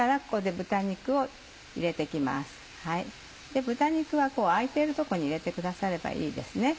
豚肉は空いてるとこに入れてくださればいいですね。